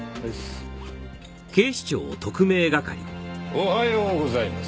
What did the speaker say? おはようございます。